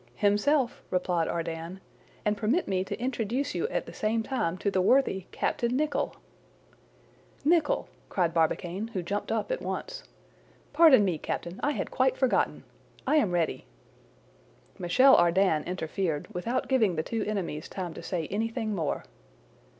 "Himself," replied Ardan; "and permit me to introduce to you at the same time the worthy Captain Nicholl!" "Nicholl!" cried Barbicane, who jumped up at once. "Pardon me, captain, I had quite forgotten—I am ready!" Michel Ardan interfered, without giving the two enemies time to say anything more.